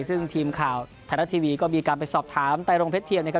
ซึ่งทีมข่าวไทยรัฐทีวีก็มีการไปสอบถามไตรรงเพชรเทียมนะครับ